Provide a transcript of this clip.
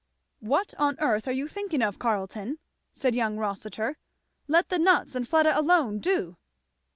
"What on earth are you thinking of, Carleton?" said young Rossitur. "Let the nuts and Fleda alone, do!"